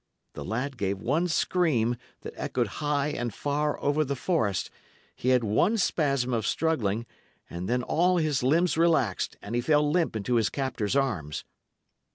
The lad gave one scream that echoed high and far over the forest, he had one spasm of struggling, and then all his limbs relaxed, and he fell limp into his captor's arms.